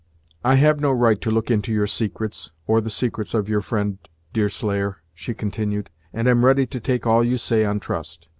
"I have no right to look into your secrets, or the secrets of your friend, Deerslayer," she continued, "and am ready to take all you say on trust.